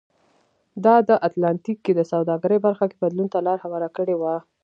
دا د اتلانتیک کې د سوداګرۍ برخه کې بدلون ته لار هواره کړې وه.